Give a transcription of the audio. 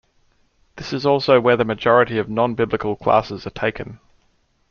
This is also where the majority of non-biblical classes are taken.